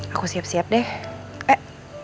aku siap siap deh pak